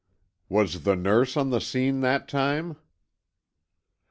"Was the nurse on the scene that time?"